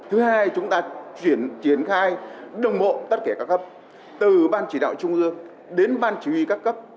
thứ hai chúng ta chuyển triển khai đồng bộ tất cả các cấp từ ban chỉ đạo trung ương đến ban chỉ huy các cấp